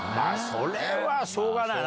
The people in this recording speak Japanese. それはしょうがないな。